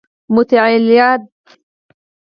• مطالعه د انسان ذهن روښانه کوي.